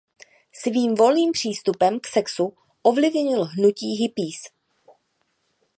Svým volným přístupem k sexu ovlivnil hnutí hippies.